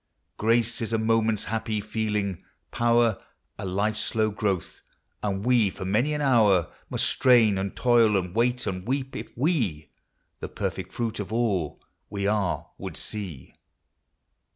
LIFE. 285 Grace is a moment's happy feeling, Power A life's slow growth ; and we for many an hour Must strain and toil, and wait and weep, if we The perfect fruit of all we are would see.